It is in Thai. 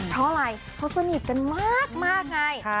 เพราะอะไรเขาสนิทกันมากไง